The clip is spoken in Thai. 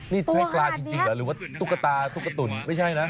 นี่ใช้ปลาจริงเหรอหรือว่าตุ๊กตาตุ๊กตุ๋นไม่ใช่นะ